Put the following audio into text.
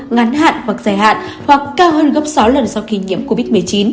ngắn hạn hoặc dài hạn hoặc cao hơn gấp sáu lần sau kỳ nhiễm covid một mươi chín